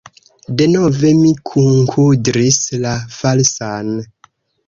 Denove mi kunkudris la falsan!